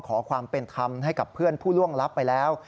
ขอความเป็นธรรมให้กับเพื่อนผู้ล่วงลับไปแล้ว